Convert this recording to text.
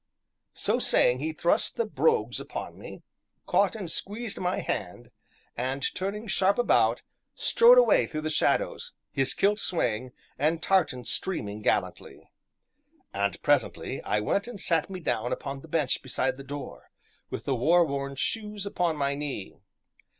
So saying, he thrust the brogues upon me, caught and squeezed my hand, and turning sharp about, strode away through the shadows, his kilt swaying, and tartans streaming gallantly. And, presently, I went and sat me down upon the bench beside the door, with the war worn shoes upon my knee.